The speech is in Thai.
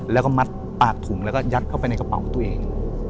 แล้วก็มัดปากถุงแล้วก็ยัดเข้าไปในกระเป๋าตัวเอง